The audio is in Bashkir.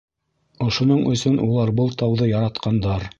Ошоноң өсөн улар был тауҙы яратҡандар